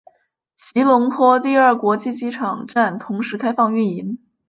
吉隆坡第二国际机场站同时开放运营。